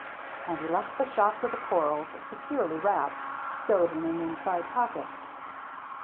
And he left the shop with the corals, securely wrapped, stowed in an inside pocket.